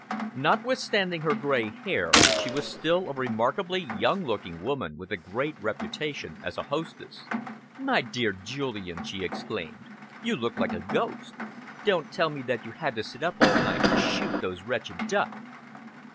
Notwithstanding her grey hair, she was still a remarkably young looking woman, with a great reputation as a hostess. "My dear Julian," she exclaimed, "you look like a ghost! Don't tell me that you had to sit up all night to shoot those wretched duck?"